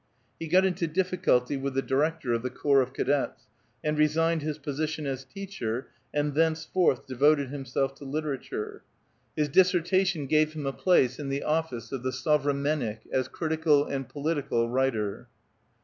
He got into difficulty with the director of the Corps of Cadets, and resigned his position as teacher, and thenceforth devoted himself to literature. His PREFA CE. VU dissertation gave him a place ia the office of the ^^ Sovremen nik " as critical and political writer.